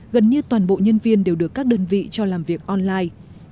gần như toàn bộ nhân viên đều được các đơn vị cho làm việc online